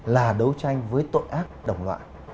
là đối tranh với tội ác đồng loại